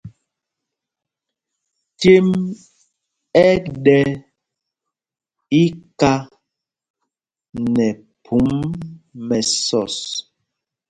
Cêm ɛ ɗɛ iká nɛ phum mɛsɔs.